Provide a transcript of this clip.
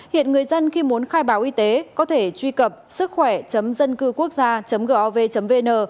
hiện người dân khi muốn khai báo y tế có thể truy cập sứckhoẻ dâncưquốcgia gov vn